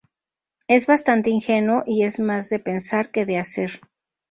Es bastante ingenuo y es más de pensar que de hacer.